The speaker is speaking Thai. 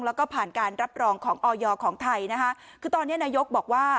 แล้วก็ผ่านการรับรองของออยของไทยนะคะคือตอนนี้นายกบอกว่า